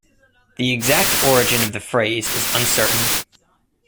The exact origin of the phrase is uncertain.